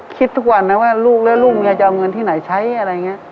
คิดทุกวันนะว่าลูกและลูกเมียจะเอาเงินที่ไหนใช้อะไรอย่างนี้